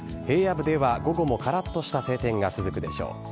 平野部では午後もからっとした晴天が続くでしょう。